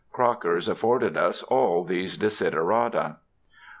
Crocker's afforded us all these desiderata.